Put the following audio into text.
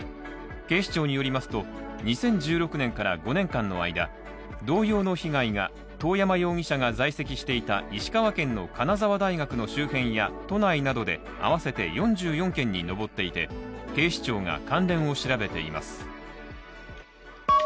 警視庁によりますと、２０１６年から５年間の間、同様の被害が遠山容疑者が在籍していた石川県の金沢大学の周辺や都内などであわせて４４件に上っていて、警視庁が関連を調べています。